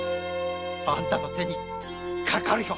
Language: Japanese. あんたの手にかかるよ。